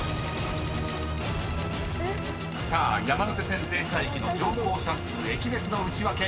［さあ山手線停車駅の乗降者数駅別のウチワケ